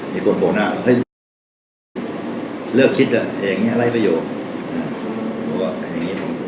มีคนโปรดหน้าเลิกคิดเลยอะไรประโยชน์